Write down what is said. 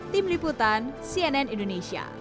tim liputan cnn indonesia